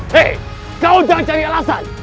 hei kau jangan cari alasan